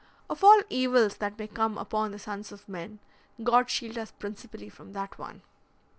Of all evils that may come upon the sons of men, God shield us principally from that one!"